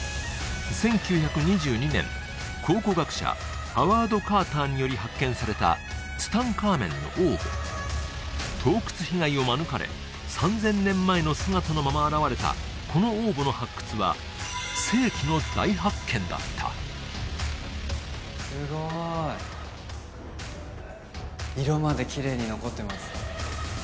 １９２２年考古学者ハワード・カーターにより発見されたツタンカーメンの王墓盗掘被害を免れ３０００年前の姿のまま現れたこの王墓の発掘は世紀の大発見だったすごい色までキレイに残ってます